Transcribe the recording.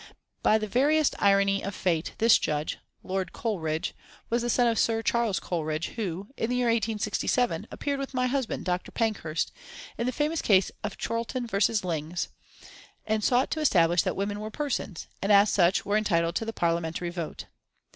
By the veriest irony of fate this judge, Lord Coleridge, was the son of Sir Charles Coleridge who, in the year 1867, appeared with my husband, Dr. Pankhurst, in the famous case of Chorlton v. Lings, and sought to establish that women were persons, and as such were entitled to the Parliamentary vote.